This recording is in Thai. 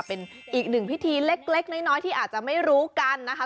เป็นอีกหนึ่งพิธีเล็กน้อยที่อาจจะไม่รู้กันนะคะ